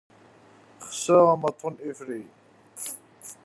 Exs-aɣ ammaṭu n ifki.